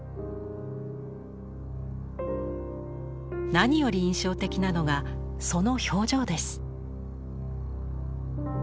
何より印象的なのがその表情です。